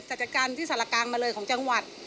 จัดการที่สารกลางมาเลยของจังหวัด